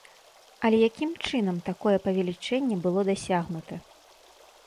Але якім чынам такое павелічэнне было дасягнута?